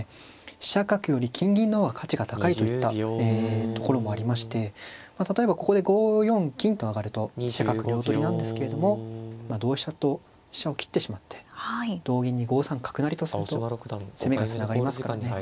飛車角より金銀の方が価値が高いといったところもありまして例えばここで５四金と上がると飛車角両取りなんですけれども同飛車と飛車を切ってしまって同銀に５三角成とすると攻めがつながりますからね。